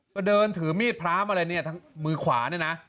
ก็เดินถือมีดพระมอะไรเนี่ยทั้งมือขวาเนี่ยนะ